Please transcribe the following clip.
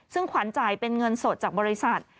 ซึ่งขวัญจ่ายเป็นเงินสดจากบริษัท